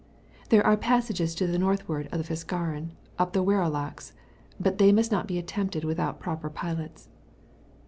There are passages to the northward of the Fiskaren up to Werolax, but they must not be attempted without proper pilots.